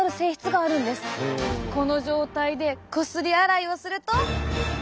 この状態でこすり洗いをすると。